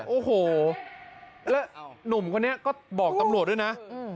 โอ้โหแล้วหนุ่มคนนี้ก็บอกตำรวจด้วยนะ